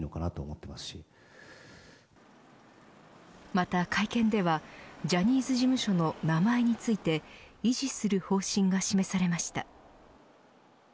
また会見ではジャニーズ事務所の名前について維持する方針が示されました。